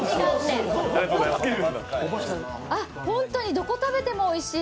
どこ食べてもおいしい。